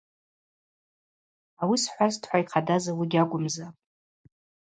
Ауи схӏвазтӏхӏва – йхъадаз ауи гьакӏвымзапӏ.